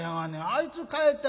あいつ帰って。